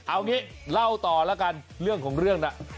เอางี้เล่าต่อแล้วกันเรื่องของเรื่องน่ะ